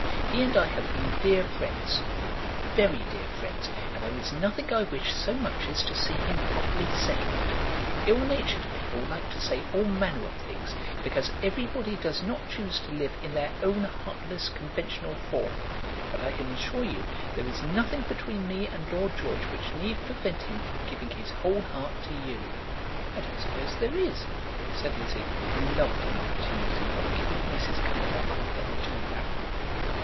He and I have been dear friends, very dear friends, and there is nothing I wish so much as to see him properly settled. Ill natured people like to say all manner of things because everybody does not choose to live in their own heartless, conventional form. But I can assure you there is nothing between me and Lord George which need prevent him from giving his whole heart to you." "I don't suppose there is," said Lizzie, who loved an opportunity of giving Mrs. Carbuncle a little rap.